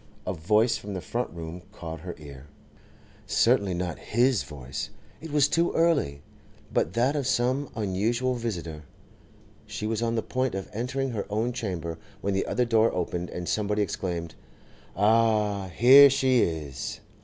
A voice from the front room caught her ear; certainly not his voice—it was too early—but that of some unusual visitor. She was on the point of entering her own chamber, when the other door opened, and somebody exclaimed, 'Ah, here she is!